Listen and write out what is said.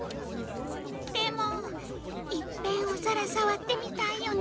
でもいっぺんおさらさわってみたいよね。